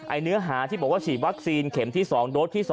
เนื้อหาที่บอกว่าฉีดวัคซีนเข็มที่๒โดสที่๒